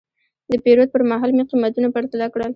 د پیرود پر مهال مې قیمتونه پرتله کړل.